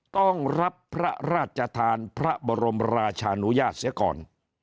ต้องรับพระราชทานพระบรมราชานุญาตเสียก่อน